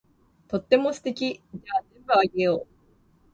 とっても素敵。じゃあ全部あげよう。